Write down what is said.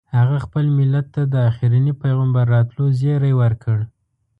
هغه خپل ملت ته د اخرني پیغمبر راتلو زیری ورکړ.